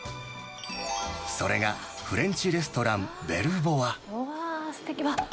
それがフレンチレストラン、うわー、すてきな。